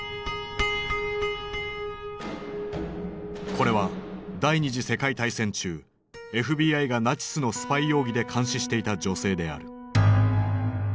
これは第２次世界大戦中ＦＢＩがナチスのスパイ容疑で監視していた女性である。